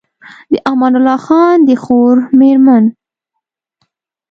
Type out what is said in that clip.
د امان الله خان د خور مېرمن